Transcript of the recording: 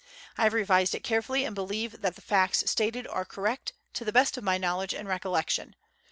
I have revised it carefully, and believe that the facts stated are correct, to the best of my knowledge and recollection.